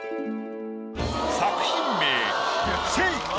作品名。